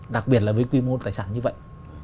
đặc biệt là với quy mô tài sản như vậy